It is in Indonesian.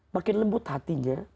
makin lembut hatinya